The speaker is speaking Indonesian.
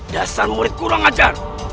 dasar murid kurang ajar